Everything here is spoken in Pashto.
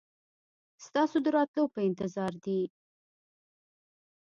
ستاسو د راتلو په انتظار دي.